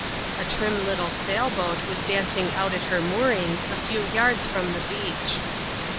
A trim little sail boat was dancing out at her moorings, a few jards fi^m the beach.